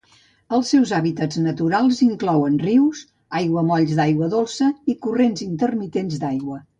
Els seus hàbitats naturals inclouen rius, aiguamolls d'aigua dolça i corrents intermitents d'aigua.